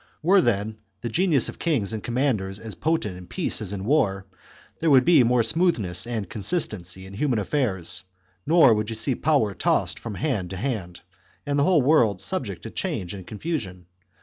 Were then the genius of kings and commanders as potent in peace as in war, there . would be more smoothness and consistency in human affairs, nor would you see power tossed from hand to hand, and the whole world subject to change and con fusion.